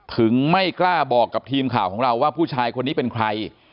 ไม่กล้าบอกกับทีมข่าวของเราว่าผู้ชายคนนี้เป็นใคร